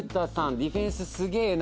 ディフェンスすげえな。